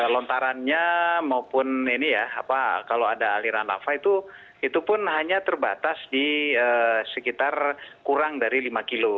lontarannya maupun ini ya kalau ada aliran lava itu pun hanya terbatas di sekitar kurang dari lima kilo